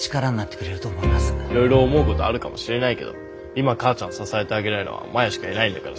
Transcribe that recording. いろいろ思うことあるかもしれないけど今母ちゃん支えてあげられるのはマヤしかいないんだからさ。